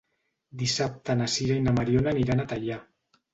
Dissabte na Sira i na Mariona aniran a Teià.